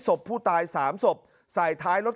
ศพผู้ตาย๓ศพใส่ท้ายรถ